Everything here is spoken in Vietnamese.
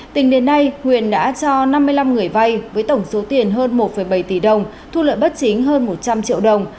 tính đến nay huyền đã cho năm mươi năm người vay với tổng số tiền hơn một bảy tỷ đồng thu lợi bất chính hơn một trăm linh triệu đồng